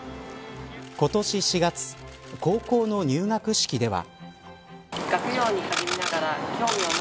今年４月、高校の入学式では。